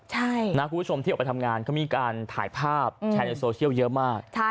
คุณผู้ชมที่ออกไปทำงานเขามีการถ่ายภาพแชร์ในโซเชียลเยอะมาก